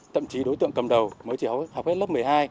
thậm chí đối tượng cầm đầu mới chỉ học hết lớp một mươi hai